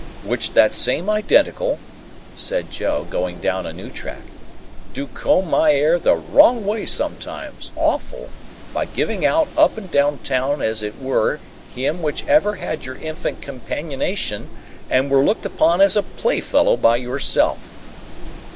Which that same identical," said Joe, going down a new track, "do comb my 'air the wrong way sometimes, awful, by giving out up and down town as it were him which ever had your infant companionation and were looked upon as a playfellow by yourself."